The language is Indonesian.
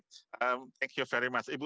terima kasih banyak